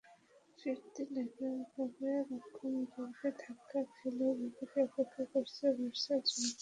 ফিরতি লেগেও এভাবে রক্ষণদুর্গে ধাক্কা খেলে বিপদই অপেক্ষা করছে বার্সার জন্য।